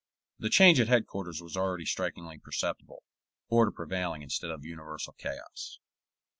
The change at headquarters was already strikingly perceptible, order prevailing instead of universal chaos.